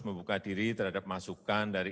membuka diri terhadap masukan dari